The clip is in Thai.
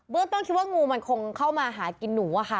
เรื่องต้นคิดว่างูมันคงเข้ามาหากินหนูอะค่ะ